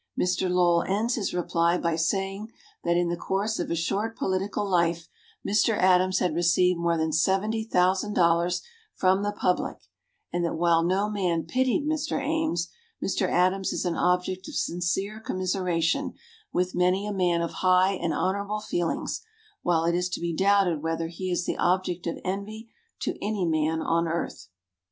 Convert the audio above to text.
Mr. Lowell ends his reply by saying that in the course of a short political life Mr. Adams had received more than seventy thousand dollars from the public, and that while no man pitied Mr. Ames, "Mr. Adams is an object of sincere commiseration with many a man of high and honorable feelings, while it is to be doubted whether he is the object of envy to any man on earth."